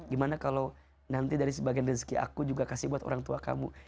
gimana kalau nanti dari sebagian rezeki aku juga kasih buat orang tua kamu